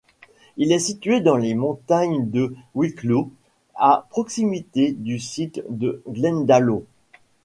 Il est situé dans les montagnes de Wicklow, à proximité du site de Glendalough.